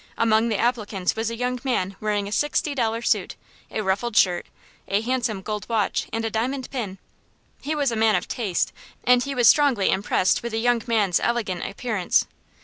Among the applicants was a young man wearing a sixty dollar suit, a ruffled shirt, a handsome gold watch and a diamond pin. He was a man of taste, and he was strongly impressed with the young man's elegant appearance.